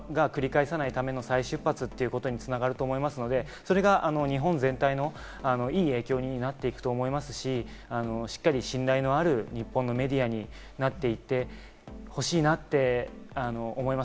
メディアの方が繰り返さないための再出発ということに繋がると思いますので、それが日本全体のいい影響になっていくと思いますし、しっかり信頼のある日本のメディアになっていてほしいなって思います。